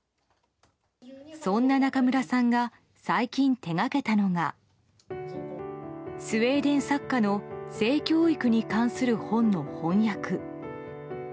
そんな中村さんが最近手掛けたのがスウェーデン作家の性教育に関する本の翻訳。